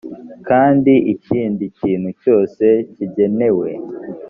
kandi ikindi kintu cyose cyigenewe